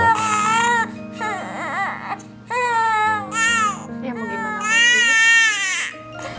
ya mau gimana pak